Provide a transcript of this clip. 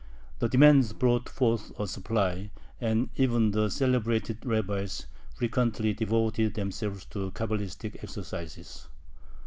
The demand brought forth a supply, and even the celebrated rabbis frequently devoted themselves to Cabalistic exercises.